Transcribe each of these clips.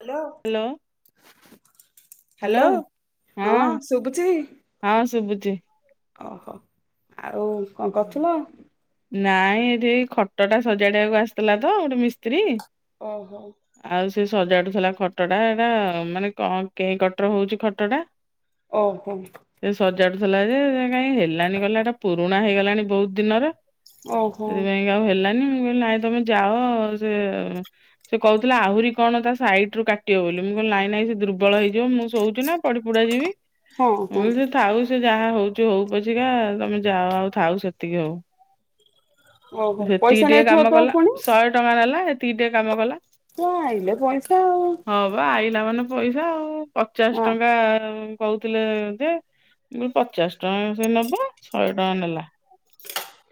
Hello hello ହଁ ଶୁଭୁଛି। ହଁ ଶୁଭୁଛି। ଓ ହୋ ଆଉ କଣ କରଥୁଲ? ନାଇଁ ଏଠି ଏଇ ଖଟ ଟା ସଜାଡିବାକୁ ଆସିଥିଲା ତ ଗୋଟେ ମିସ୍ତ୍ରୀ। ଓ ହୋ। ଆଉ ସେ ସଜାଡୁଥିଲା ଖଟଟା ଏଟା ମାନେ କଁ କେଁ କଟର ହଉଛି ଖଟ ଟା। ଓ ହୋ। ସେ ସଜାଡୁଥିଲା ଯେ ସେ କାହିଁ ହେଲାନି କହିଲା ଏଟା ପୁରୁଣା ହେଇଗଲାଣି ବହୁତ ଦିନର। ଓ ହୋ। ସେଥିପାଇଁ ଆଉ ହେଲାନି ମୁଁ କହିଲି ନାଇଁ ତମେ ଯାଅ ସେ। ସେ କହୁଥୁଲା ଆହୁରି କଣ ତା ସାଇଟ ରୁ କାଟିବ ବୋଲି ମୁଁ କହିଲି ନାଇଁ ନାଇଁ ସେ ଦୁର୍ବଳ ହେଇଯିବ ମୁଁ ଶୋଉଛି ନାଁ। ପାଡିପୁଡା ଯିବି। ହଁ ହଁ ମୁଁ କହିଲି ଥାଉ ସେ ଯାହା ହଉଛି ହଉ ପଛିକା ତମେ ଯାଅ ଆଉ ଥାଉ ସେତିକି ହଉ। ଓହୋ ସେତିକି ପଇସା ଟିକେ ନେଇଥିବ କାମ ତ କଲା ପୁଣି ଶହେ ଟଙ୍କା ନେଲା ଏତିକି ଟିକେ କାମ କଲା। ହଁ ଆଇଲେ ପଇସା ଆଉଁ। ହଁ ବା ଆଇଲା ମାନେ ପଇସା ଆଉ ପଚାଶ ଟଙ୍କା କହୁଥିଲେ ଯେ ମୁଁ କହିଲି ପଚାଶ ଟଙ୍କା କଣ ସେ ନେବେ ଶହେ ଟଙ୍କା ନେଲା।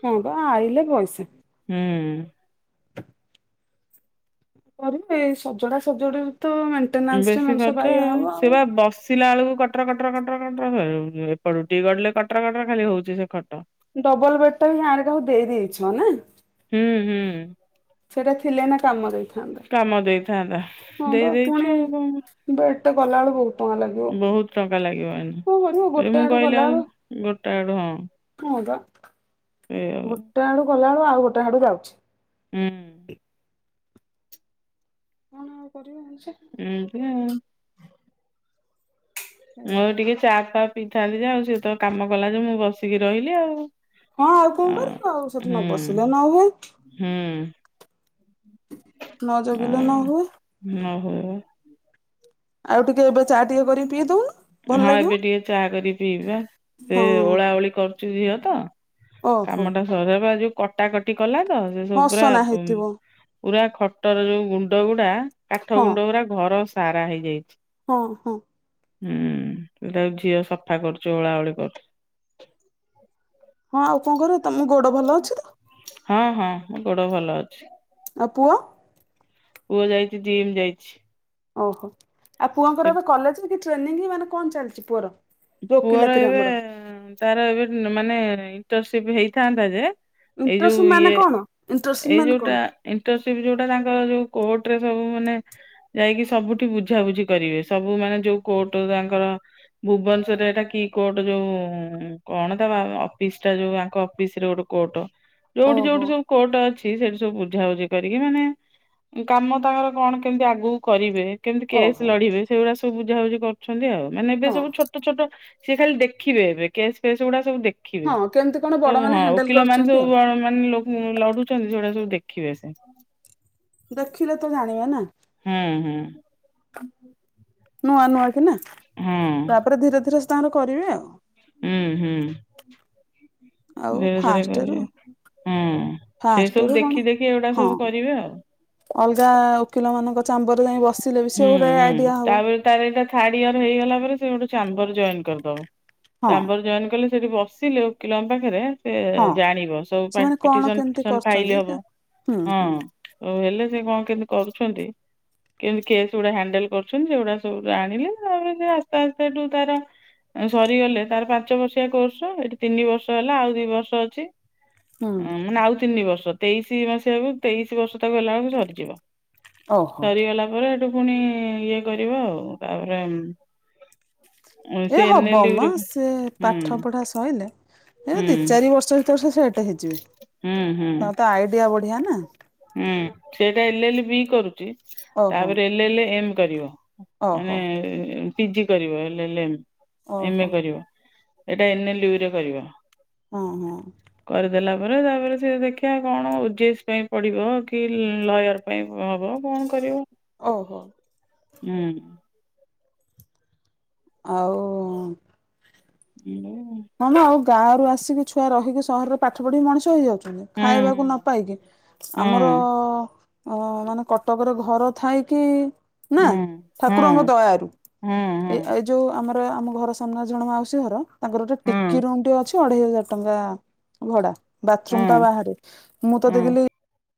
ହଁ ପା ଆଇଲେ ପଇସା। ହୁଁ। କରିବେଏ ସଜଡା ସଜଡି ରୁ ତ ମା ବେଶୀ ଖର୍ଚ୍ଚ ଆଉଁ ସେ ବା ବସେ ସିଲା ବେଳକୁ କଟର କଟର କଟର କଟର ଉଁ ମଁ ଏପଟକୁ ଟିକେ ଗଡିଲେ କଟର କଟର ଖାଲି ହଉଛି ସେ ଖଟ। ଡବଲ ବେଡ୍ ଟା ବି ଗାଁରେ। କାହାକୁ ଦେଇ ଦେଇଛନାଁ। ହୁଁ ହୁଁ। ସେଇଟା ଥିଲେ ଏଇନା କାମରେ ଆଇ କାମ ଦେଇଥାନ୍ତା ଦେଇ ପୁଣି ଦେଇଛୁ ଆଉ କଣ। ବେଡ୍ ଟେ କଲାବେଳକୁ ବହୁତ ଟଙ୍କା ଲାଗିବ କରିବ ଏଇନେ ଏ ଗୋଟେ ମୁଁ ଆଡୁ କହିଲି ଗଲାବେଳୁ ଆଉ ଗୋଟା ଆଡୁ ହଁ। ହଁ ବା ସେଇ ହୁଁ ଗୋଟେ ଆଡୁ କଲା ବେଳୁ ଆଉ ଗୋଟେ ଆଡୁ ଯାଉଛି। ହୁଁ। କଣ ଆଉ କରିବ ମଣିଷ। ଉଁ ହୁଁ। ମୁଁ ଆଉ ଟିକେ ଚା ଫା ପିଇଥାନ୍ତି ଯେ ଆଉ ସିଏ ତ କାମ କଲା ଯେ ମୁଁ ବସିକି ରହିଲି ଆଉ। ହଁ ଆଉ କଣ କରିବୁ ଆଉ ସେଠି ହୁଁ ନ ବସିଲେ ନ ହୁଏ। ହୁଁ। ନ ଜଗିଲେ ନ ଆଉ ହୁଏ। ନହୁଏ ବା। ଆଉ ଟିକେ ଏବେ ଚା ଟିକେ କରିକି ପିଇଦଉନୁ। ହଁ ଏବେ ଟିକେ ଚାହା କରିକି ପିଇବିବା ସେ ହଁ ଓଳା ଓଳି କରୁଛି ଝିଅ ତ। ଓହୋ। କାମଟା ସରିବା କୁ କଟାକଟି କଲା ତ ସେ ସବୁ ହଁ ପୁରା ଅସନା ହେଇଥିବ ପୁରା ଖଟର ଯୋଉ ଗୁଣ୍ଡ ଗୁଡା କାଠ ହଁ ଗୁଣ୍ଡ ଗୁରା ଘର ସାରା ହେଇଯାଇଛି। ହଁ ହଁ। ହୁଁ, ତାକୁ ଝିଅ ସଫା କରୁଛି ଓଳା ଓଳି କରୁଛି। ହଁ ଆଉ କଣ କରିବୁ, ତମ ଗୋଡ ଭଲ ଅଛି ତ? ହଁ ହଁ ମୋ ଗୋଡ ଭଲ ଅଛି। ଆ ପୁଅ? ପୁଅ ଯାଇଛି ଜିମ ଯାଇଛି। ଓହୋ, ଆଉ ପୁଅଙ୍କର ଏବେ କଲେଜ କି ଟ୍ରେନିଂ ମାନେ କଣ ଚାଲିଛି ପୁଅର? ଯୋଉ ପୁଅର ଓକିଲାତିରେ ଏବେ ଆମର ତାର ଏବେ ମାନେ ଇଣ୍ଟରନସିପ ହେଇଥାନ୍ତା ଯେ ଏଇ ଇଣ୍ଟରସିପ ଯୋଉ ମାନେ ଇଏ କଣ ଇଣ୍ଟରସିପ ଏଇ ମାନେ କଣ ଯୋଉଟା ଇଣ୍ଟରସିପ ଯୋଉଟା ତାଙ୍କର ଯୋଉ କୋଟ ରେ ସବୁ ମାନେ ଯାଇକି ସବୁଠି ବୁଝାବୁଝି କରିବେ ସବୁ ମାନେ ଯୋଉ କୋର୍ଟ ତାଙ୍କର ଭୁବନ କି କୋର୍ଟ ଯୋଉଁ କଣ ତା ଅଫିସ ଟା ଯୋଉ ଆଙ୍କ ଅଫିସରେ ଗୋଟେ କୋର୍ଟ। ଯୋଉଠି ଓହୋ ଯୋଉଠି ସବୁ କୋର୍ଟ ଅଛି ସେଠି ସବୁ ବୁଝାବୁଝି କରିକି ମାନେ କାମ ତାଙ୍କର କଣ କେମିତି ଆଗକୁ କରିବେ। କେମିତି କେସ୍ ଓହୋ ଲଢିବେ ସେଗୁଡା ସବୁ ବୁଝାବୁଝି କରଛନ୍ତି ଆଉ ମାନେ ଏବେ ହଁ। ସବୁ ଛୋ ଛୋଟ ଛୋଟ ସିଏ ଖାଲି ଦେଖିବେ ଏବେ କେସ୍ ଫେସ୍ ଗୁଡା ସବୁ ଦେ ଖିବେ ହଁ କେମିତି କଣ ବଡ ତ ମାନେ ହଁ ହ୍ୟାଣ୍ଡେଲ ଓକିଲ ମାନେ କରୁଛନ୍ତି ଆଉ। ସବୁ କଣ ମାନେ ଲୋ ଲଢୁଛନ୍ତି ସେଗୁଡା ସବୁ ଦେଖିବେ ସେ। ଦେଖିଲେ ତ ଜାଣିବେ ନା। ହୁଁ ହୁଁ। ନୂଆ ନୂଆ କି ନା ହଁ ତାପରେ ଧୀରେ ଧୀରେ ସେ ତାଙ୍କର କରିବେ ଆଉ। ହୁଁ ହୁଁ। ଆଉ ଧୀରେ ଧୀରେ ଫାଷ୍ଟ ରୁ। କରିବେ ହୁଁ ସେଇ ସବୁ ଦେଖି ଦେଖି ଏଗୁଡା ହଁ ସବୁ କରିବେ ଆଉ। ଅଲଗା ଓକିଲ ମାନଙ୍କ ଚାମ୍ବରରେ ଯାଇ ବସିଲେ ବି ହୁଁ ସେ ଗୋଟେ ହୁଁ ଆଇଡିଆ ହବ। ତାପରେ ତାର ଏଇଟା ଥାର୍ଡ ଇୟର ହେଇଗଲା ପରେ ସେ ଗୋଟେ ଚାମ୍ବର ଜଏନ କରିଦବ ହଁ ଚାମ୍ବର ଜଏନ୍ କଲେ ସେଠି ବ ଓକିଲଙ୍କ ପାଖରେ। ସେ ହଁ ଜାଣିବ ସବୁ ସେମାନେ କଣ ପିଟିସନ କେମିତି ଫିଟିସନ୍ କରୁଛନ୍ତି ଫାଇଲ ହବ ହୁଁ ହଁ। ହୁଁ ହଉ ହେଲେ ସେ କଣ କେମତି କରୁଛନ୍ତି କେମତି କେସ୍ ଗୁଡା ହାଣ୍ଡେଲ କରୁଛନ୍ତି ସେଗୁଡା ସବୁ ଜାଣିଲେ ତାପରେ ସେ ଆସ୍ତେ ଆସ୍ତେ ସେଠୁ ତାର ସରିଗଲେ ତାର ପାଞ୍ଚ ବର୍ଷିଆ କୋର୍ସ ଏଠି ତିନି ବର୍ଷ ହେଲା ଆଉ ଦି ବର୍ଷ ଅଛି ହୁଁ ଅଁ ମାନେ ଆଉ ତିନି ବର୍ଷ ତେଇଶି ମସିହାକୁ ତେଇଶି ବର୍ଷ ତାକୁ ହେଲା ଆଳକୁ ସରିଯିବ। ଓହୋ ସରିଗଲା ପରେ ହେଠୁ ପୁଣି ଇଏ କରିବ ଆଉ ତାପରେ ଉଁ ଏ ହବ ମ ସେ ପାଠ ପଢା ସଇଲେ ଏ ହୁଁ ଦି ଚାରି ବର୍ଷ ଭିତରେ ସେ ସେଟ୍ ହେଇ ଯିବା ହୁଁ ହୁଁ ତାର ତ ଆଇଡିଆ ବଢିଆ ନା ହୁଁ ସେ ଟା ଏଲେ ଏଲେ ବି କରୁଚି ଓହୋ ତାପରେ ଏଲେ ଏଲେ ଏମ୍ କରିବ। ମାନେ ଓହୋ ପିଜି କରିବ ଏଲେ ଏଲେ ଏମ୍ ଓହୋ ଏମେ କରିବ। ଏଇଟା ଏନେଲେ୍ ବି ରେ କରିବ। ହଁ ହଁ। କରିଦେଲା ପରେ ତାପରେ ସେ ଦେଖିବା କଣ ଓ ଜି ଏଶ୍ ପାଇଁ ପଡିବ କି ଲୟର୍ ପାଇଁ ହବ କଣ କରିବ ଓହୋ। ହୁଁ। ଆଉ ହୁଁ [inaudible] ହଁ ମ ଆଉ ଗା ରୁ ଆସିକି ଛୁଆ ରହିକି ସହରରେ ପାଠ ପଢି ମଣିଷ ହେଇଯାଉଚୁ ହୁଁ ଖାଇବାକୁ ନ ପାଇକି ଆମର ହୁଁ ଅ ମାନେ କଟକରେ ଘର ଥାଇ କି ନା ହୁଁ ଠାକୁରଙ୍କ ଦୟାରୁ ହଁ ହଁ ଏ ଏ ଯୋଉ ଆମର ଆମ ଘର ସାମ୍ନାରେ ଜଣେ ମାଉସୀ ଘର ତାଙ୍କର ଗୋଟେ ହଁ ଟିକି ରୁମ୍ ଟେ ଅଛି ଅଢ଼େଇ ହଜାର ଟଙ୍କା ଭଡ଼ା ଟିକ୍ ବାଥରୁମ୍ ଟା ହଁ ବାହାରେ ମୁଁ ତ ହଁ ଦେଖିଲି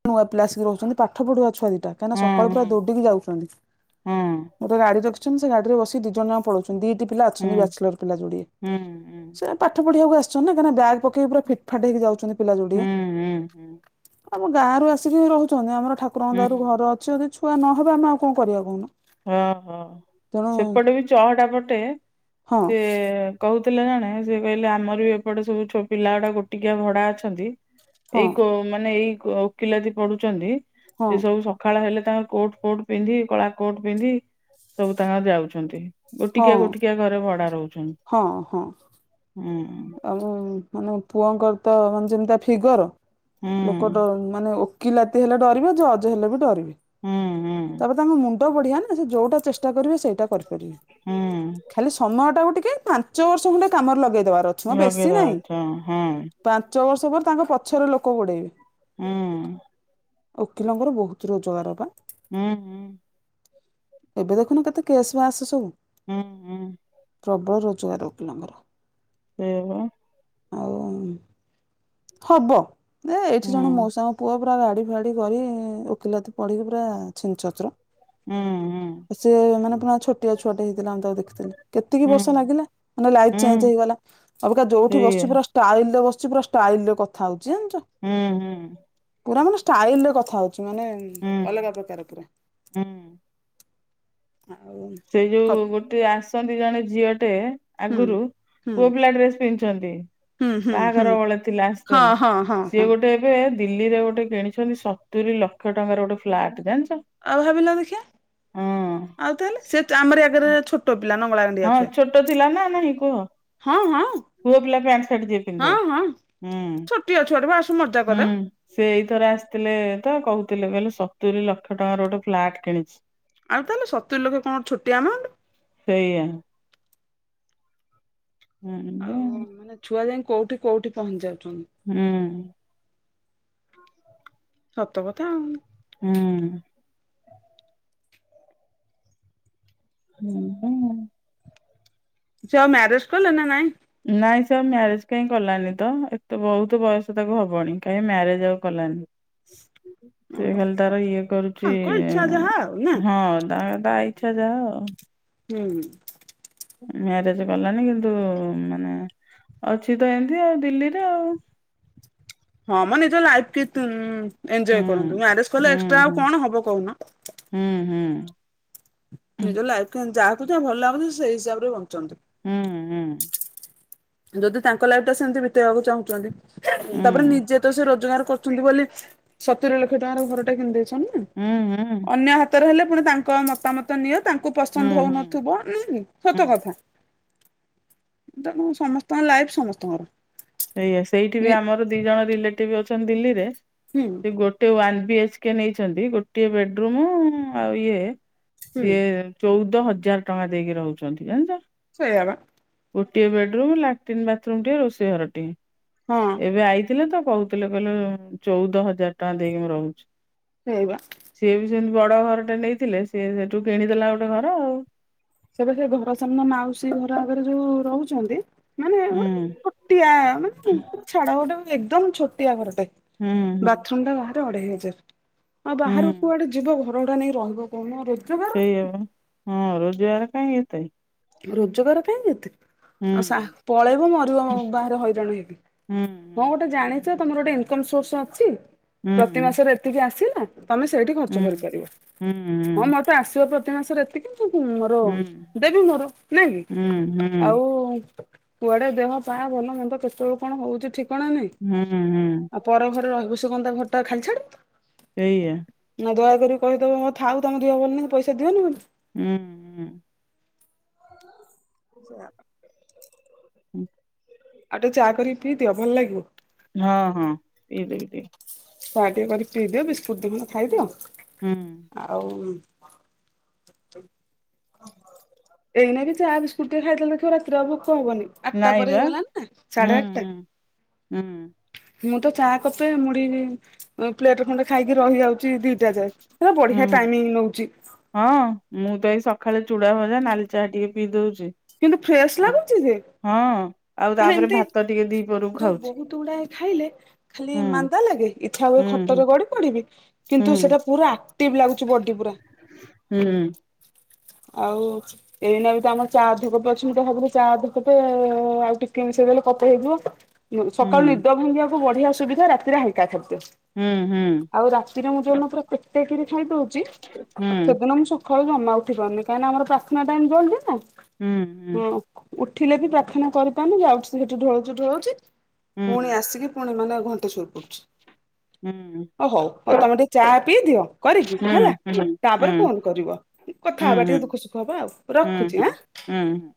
ନୂଆ ପିଲା ଆସି ରହୁଚନ୍ତି ପାଠ ପଢୁଆ ଛୁଆ ଦିଟା କାଇଁନା ହଁ ସକାଳୁ ହଁ ପୁରା ଦୌଡ଼ିକି ଯାଉଚନ୍ତି ହଁ ଗୋଟେ ଗାଡି ରଖିଚନ୍ତି ସେ ଗାଡିରେ ବସି ଦି ଜଣ ଯାକ ପଳଉଚନ୍ତି ଦିଟି ପିଲା ହଁ ହୁଁ ହୁଁ ଅଛନ୍ତି ବ୍ୟାଚେଲର୍ ପିଲା ଯୋଡିଏ ହୁଁ ହୁଁ। ସେ ପାଠ ପଢିବାକୁ ଆସିଚନ୍ତି ନା କାଁଇନା ବ୍ୟାଗ୍ ପକେଇ ପୁରା ଫିଟ୍ ଫାଟ୍ ହେଇକି ଯାଉଚନ୍ତି ପିଲା ଯୋଡିଏ ହୁଁ ହୁଁ ଆମ ଗାଁରୁ ଆସିକି ରହୁଚନ୍ତି ଆମର ଠାକୁରଙ୍କ ଦୟାରୁ ହୁଁ ଘର ଅଛି ଯଦି ଛୁଆ ନହେବେ ଆମେ ଆଉ କଁ କରିଆ କହୁନୁ ହଁ ହଁ ସେପଟେ ବି ଚହଟା ପଟେ ହଁ ସେ କହୁଥିଲେ ଜଣେ ସେ କହିଲେ ଆମର ବି ଏପଟେ ସବୁ ଛୋ ପିଲା ଗୁଡା ଗୋଟିକିଆ ଭଡା ଅଛନ୍ତି। ହଁ ଏଇ କୋ ମାନେ ଏଇ କ ଓକିଲାତି ପଢୁଚନ୍ତି ହଁ ସେ ସବୁ ସ ଖାଳ ହେଲେ ତାଙ୍କର କୋଟ୍ କୋଟ୍ ପିନ୍ଧି କଳା କୋଟ୍ ପିନ୍ଧି ସବୁ ତାଙ୍କର ଯାଉଛନ୍ତି। ହଁ ଗୋଟିକିଆ ଗୋଟିକିଆ ଘରେ ବଡା ରହୁଚନ୍ତି। ହଁ ହଁ। ହୁଁ। ଆଉ ମାନେ ପୁଅଙ୍କର ତ ମାନେ ଯେମିତିଆ ଫିଗର ହୁଁ ଲୋକ ଡ ମାନେ ଓ କିଲାତି ହେଲେ ଡରିବେ ଯେ ଜଜ୍ ହେଲେ ବି ଡରିବେ ହୁଁ ହୁଁ ତାପରେ ତାଙ୍କ ମୁ ଣ୍ତ ବଢିଆ ନା ସେ ଯୋଉଟା ଚେଷ୍ଟା କରିବେ ସେଇଟା କରିପାରିବେ ହୁଁ ଖାଲି ସମୟ ଟାକୁ ଟିକେ ପ୍ଲା ଞ୍ଚ ବର୍ଷ ଖଣ୍ଡେ କାମରେ ଲଗେଇଦବାର ଅଛି ହଁ ବେଶୀ ଲଗେଇଦବା ନାଇଁ କଥା ହଁ। ପାଞ୍ଚ ବର୍ଷ ପରେ ତାଙ୍କ ପଛରେ ଲୋକ ଗୋଡେଇବେ ଉଁ। ଓକିଲଙ୍କ ର ବହୁତୁ ରୋଜଗାର ବା ହୁଁ ହୁଁ ଏବେ ଦେଖୁନ କେତେ କେସ୍ ବାସ୍ ସବୁ ହୁଁ ହୁଁ ପ୍ରବଳ ରୋଜଗାର ଓକିଲଙ୍କର ସେୟା ବା ଆଉ ହବ ଦେ ହୁଁ ଏଠି ଜଣେ ମଉସା ଙ୍କ ପୁଅ ପୁରା ଗାଡି ଜାଡି ବହି ଓକିଲା ତ ପଢିକି ପୁରା ଛିଚତ୍ର। ହଁ। ସେ ମାନେ ପୁା ଛୋଆ ଛୁଆଟେ ହେଇଥିଲା ଆମ ତାକୁ ଦେଖିଥିଲି କେତିକି ବର୍ଷ ହୁଁ। ଲାଗିଲା। ମାନେ ଲାଇଫ ଚେଞ୍ଜ ହୁଁ ହେଇଗଲା ଅବିକା ଯୋଉଠି ସେଇଆ ବସିଛି ପୁରା ଷ୍ଟାଇଲରେ ବସିଛି ପୁରା ସ୍ତଇଲରେ କଥା ହଉଛି ଜାଣିଛ ହୁଁ ହୁଁ ପୁରା ମାନେ ଷ୍ଟାଇଲ ରେ କଥା ହଉଛି। ଅଛ ମାନେ ହୁଁ ଅଲଗା ପ୍ରକାର ପା ହୁଁ ଆଉ ସେ ଯୋଉ ହବ ଗୋଟେ ଆସନ୍ତି ଜଣେ ଝିଅଟେ ହୁଁ ଆଗରୁ ହୁଁ ପୁ ପିଲା ଡ୍ରେସ ପିନ୍ଧ ହୁଁ ହୁଁ ହୁଁ ବାହାଘର ବେଳେ ଥିଲା ହଁ ହଁ ହଁ ଆସିଛନ୍ତି ସିଏ ହଁ ଗୋଟେ। ଏବେ ଦିଲ୍ଲୀରେ ଗୋଟେ କିଣିଛନ୍ତି ସତୁରିୀ ଲକ୍ଷ ଟଙ୍କାର ଗୋଟେ ଫ୍ଲାଟ ଜାଣିଛ। ଆଉ ଭାବିଲ ଦେଖିିବା ହଁ ଆଉ ତାହେଲେ ସେ ଆମର ଆଗରେ ଛୋଟ। ପିଲା ନ ଅଳା କାଣ୍ଡି ହଁ ଆଖେ ଛୋଟ ଥିଲା ନା ନାହିଁ କୁହ ହଁ ହଁ। ପୁଅ ପିଲା ପ୍ୟାଣ୍ଟ ସାର୍ଟ ଯିଏ ପିନ୍ଧେ ହୁଁ। ଅଛ [unintelligible] ହୁଁ। ସେ ଏଇଥର ଆସିଥିଲେ ତ କହୁଥିଲେ କହିଲେ ସତୁରି ଲକ୍ଷ ଟଙ୍କାର ଗୋଟେ ଫ୍ଲାଟ କିଣିଛି। ଆଉ ତାହେଲେ ସତୁ ଲକ୍ଷ କଣ ଛଟି ଆମାଉଣ୍ଟ। ସେଇଆ। ହୁଁ ଆଉ ଯେ- ମାନେ ଛୁଆ ଯାଇ କୋଉଠି କୋଉଠି ପହଞ୍ଚାଉଛନ୍ତି। ହୁଁ। ସତ କଥା ଆଉ। ହୁଁ। ହୁଁ ହଁ। ସେଉ ମ୍ୟାରେଜ କଲେ ନା ନାଇଁ ନାଇଁ ସ ମ୍ୟାରେଜ କାହିଁ କଲାନି ତ ଏତେ ବହୁତ ବୟସ ତାକୁ ହବନି କାହିଁକି ମ୍ୟାରେଜ ଆଉ କଲାନି। ହୁଁ। ସେ ଓହୋ ଖାଲି ତାର ଇଏ କରୁଛି ତାଙ୍କ ଇଚ୍ଛା ଯାହା ଆଉ ନା ହଁ ତା ତା ଇଚଛା ଯାଅ ଆଉ ହୁଁ। ମ୍ୟାରେଜ କଲାଣି କିନ୍ତୁ ମାନେ ଅଛି ତ ଏମିତି ଆଉ ଦିଲ୍ଲୀରେ ଆଉ ହଁ ମୋ ନିଜ ଲାଇଫ କି ଏଜୟ ହୁଁ କରନ୍ତୁ ମ୍ୟାରେଜ କଲେ ହୁଁ ଏକ୍ସଟ୍ରା ଆଉ କଣ ହବ କହୁନ। ହୁଁ ହୁଁ। ନିଜ ଲାଇଫ ଯହାକୁ ଯାହା ଭଲ ଲାଗୁଛି ସେଇ ହିସାବରେ ବଞ୍ଚନ୍ତି ହୁଁ ହୁଁ। ଯଦି ତାଙ୍କ ଲାଇଫ ତ ସେମିତି ବିତେଇବାକୁ ହୁଁ ଚାହୁଁଛନ୍ତି ହୁଁ ତାପରେ ନିଜେ ତ ସେ ରୋଜଗାର କର ବୋଲି ସତୁର ଲକ୍ଷ ଟଙ୍କାର ଘରଟା କିଣିଇଛନ୍ତି ନା ହୁଁ ହୁଁ। ଅନ୍ୟ ହାତରେ ହେଲେ ପୁଣି ତାଙ୍କ ମତାମତ ନିଅ ତାଙ୍କୁ ହୁଁ ପସନ୍ଦ ହୁଁ ହଉନଥିବ ନ ହୁଁ ସତ କଥା ତଣ ସମସ୍ତଙ୍କ ଲାଇଫ ସମସ୍ତଙ୍କର। ସେଇା ସେଇଠି ବି ଆମର ଦି ଜଣ ରିଲେଟିଭ ଅଛନ୍ତି ଦିଲ୍ଲୀରେ। ହୁଁ। ଗୋଟେ ୱନ୍ ବି ଏଚ କେ ନେଇଛନ୍ତି ଗୋଟିଏ ବେଡରୁୁମ୍ ଆଉ ଇଏ ହୁଁ ସିଏ ଚଉଦ ହଜାର ଟଙ୍କା ଦେଇକି ରହୁଛନ୍ତି ଜାଣିଛ। ସେଆବା। ଗୋଟିଏ ବେଡରୁମ୍ ଲାଟ୍ରନ୍ ବାଥରୁମଏ ରୋଷେଇ ଘରଟିଏ ହଁ ଏବେ ଆଇ ଥିଲେ ତ କହୁଥିଲେ କହିଲେ ଚଉଦ ହଜାର ଟଙ୍କା ଦେଇକି ମୁଁ ରହୁଛି। ରଇବା। ସିଏ ବି ସେମିତି ବଡ ଘରଟେ ନେଇଥିଲେ ସେି ସେଠୁ କିଣିଦେଲା ଗୋଟେ ଘର ଆଉ ସେବେ ସେ ଘର ସାମ୍ନ ମାଉସୀ ଘର ଆଗରେ ଯୋଉ ରହୁଛନ୍ତି ମାନେ ହୁଁ ଗୋଟେ ଛୋଟିଆ ମାନେ ଛାଡ ଗୋଟେ ଏକଦମ ଛୋଟିଆ ଘରଟେ ହୁଁ ହୁଁ ବାଥରୁମ ଟା ବା ଅଢେଇ ହଜାର ଆଉ ହୁଁ ବାହାର କୁଆଡେ ଯିବ ଘର ଭୁଡା ନେଇକି ରହିବ କଣ ରୋ ସେଆପା ହଁ ରୋଜଗାର କାଇଁ ଏତେ। ରୋଜଗାର କାହିଁକି ଏତେ ହୁଁ ଆଉ ସା ପଳେଇବ ମରିବ ବାହାରେ ହଇରାଣ ହେଇବକି। ହୁଁ ହଁ ଗୋଟେ ଜାଣିଚ ତମର ଗୋଟେ ଇନକମ ସୋର୍ସ ଅଛି ହୁଁ ପ୍ରତି ହୁଁ ମାସରେ ଏତିକି ଆସିଲା। ତମେ ସେଇଠି ଖର୍ଚ୍ଚ ହୁଁ କରିପାରିବ ହୁଁ ହଁ ମତେ ଆସିବ ପ୍ରତି ମାସରେ ଏ ମୋର ହୁଁ ଦେବି ମୋର ନାଇଁ ହୁଁ କି ହୁଁ ଆଉ କୁ କୁଆଡେ ଦେହ ପା ଭଲ ମନ୍ଦ କେତେବେଳଳେ କଣ ହଉଚି ଠିକଣା ନାହିଁ। ହୁଁ ହୁଁ। ଆଉ ପର ଘର ରହିବୁ ସିଏ କଣ ତା ଘର ଟା ଖାଲି ଛାଡିବ। ସେଇଆ। ନା ଦୟାକରି କହିଦବ ହୁଁ ଉଥା ତମ ଦେହ ଭଲ ନାହିଁ ପଇସା ଦିଅନି ବୋଲି। ହୁଁ। [unintelligible] ହୁଁ। ଆଉ ଟିକେ ଚା କରିକି ପିଇ ଦିଅ ଭଲ ଲାଗିବ। [unintelligible] ଚା ଟିକେ କରିକି ପିଇଦିଅ ବିସ୍କୁଟ ଦି ଖଣ୍ଡ ଖାଇଦିଅ। ହୁଁ। ଆଉ। ଏଇନା ଚା ବିସ୍କୁଟ ଖାଇଦେଲେ ଦେଖିବ ରାତିରେ ଆଉ ଭୋକ ହବନି। ଆଠଟା ନାଇଁ ପରେ ବା ହେଇଗଲାଣି ନା ହୁଁ ସାଢେ ଆଠଟା। ହୁଁ ହୁଁ ମୁଁ ତ ଚା କତେ ମୁଢ଼ି ପ୍ଲେଟ ଖଣ୍ଡେ ଖାଇକି ରହି ଯାଉଚି ଦିଟା ଯାଏ। ସେ ବଢିଆ ହୁଁ ଟାଇମି ନଉଚି। ହଁ ମୁଁ ତ ଏଇ ସକାଳେ ଚୁଡା ଭଜା ନାଲି ଚାହା ଟିକେ ପିଇ ଦୋ କିନ୍ତୁ ଫ୍ରେଶ ଲାଗୁଚି ଯେ। ହଁ ଆଉ ମାନେ ତାପରେ ଏମିତି ଭାତ ଟିକେ ଦି ଯୋଉ ବହୁତ ଗୁଡାଏ ଖାଇଲେ ଖାଲି ହୁଁ ମାନ୍ଦା ଲାଗେ ଇଚ୍ଛା ହୁଏ ହୁଁ ଖଟରେ ଗଡି ପଡିବି ହୁଁ କିନ୍ତୁ ସେଟା ପୁରା ଟିପ ଲାଗୁଚି ବଡ଼ି ପୁରା। ହୁଁ। ଆଉ ଏଇନାତ ଆମର ଚା ଅଧେ କପ୍ ଅଛି ମୁଁ ଭାବିଲି ଚା ଅଧେ କପ୍ ତ ଆଉ ଟିକେ ମିଶେଇଦେଲେ କପେ ହେଇଯିବ। ସକାଳୁ ହୁଁ ନିଦ ଭାଙ୍ଗିବାକୁ ବଢିଆ ସୁବିଧା ରାତିରେ ହାକା ଖାଦ୍ୟ। ହୁଁ ହୁଁ। ଆଉ ରାତିରେ ମୁଁ ଯୋଉଦୀନ ପୁରା ପେଟକିରି ଖାଇଦଉଚି ହୁଁ ସେଦିନ ମୁଁ ସକାଳୁ ଜମା ଉ ଠି ପାରୁନି କାଇକୀନ ଆମର ପ୍ରାର୍ଥନା ଟାଇମ ଜଳଦି ହୁଁ ନା ହଁ। ଉଠିଲେ ବି ପ୍ରାର୍ଥନା କରିପାରୁନି ଯାଉଚି ସେଠି ଢଳଉଚି ଢଳଉଚି। ହୁଁ ହୁଁ ପୁଣି ଆସିକି ପୁଣି ମାନେ ଘଣ୍ଟା ସୋଇ ପଡୁଚି। ହୁଁ ଓ ହଉ ହଉ ତମେ ଟିକେ ଚା ପିଇଦିଅ କରିକି ହେଲା ହୁଁ ହୁଁ ହୁଁ ତାପରେ ଫୋନ୍ କରିବ। କଥା ହବା ଟିକେ ହୁଁ ଦୁଃଖ ସୁଖ ହବା ଆଉ ହୁଁ ରଖୁଚି ଆଁ। ହୁଁ ହୁଁ।